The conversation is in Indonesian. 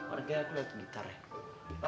orangnya aku lihat gitar ya